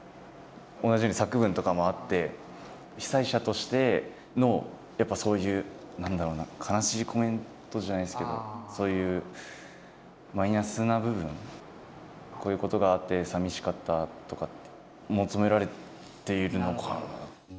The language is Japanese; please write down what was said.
同じように作文とかもあって被災者としてのやっぱそういう何だろうな悲しいコメントじゃないですけどそういうマイナスな部分こういうことがあってさみしかったとか求められているのかな。